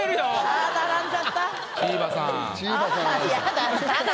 ああ並んじゃった。